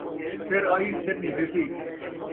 سر آئی سر نبھیسی